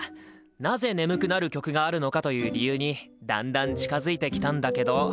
なぜ眠くなる曲があるのかという理由にだんだん近づいてきたんだけど。